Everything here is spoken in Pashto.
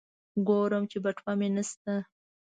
ګورم چې بټوه مې نشته.